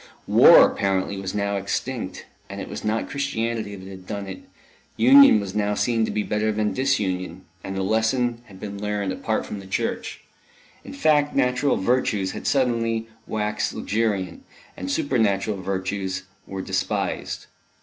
War, apparently, was now extinct, and it was not Christianity that had done it; union was now seen to be better than disunion, and the lesson had been learned apart from the Church. In fact, natural virtues had suddenly waxed luxuriant, and supernatural virtues were despised.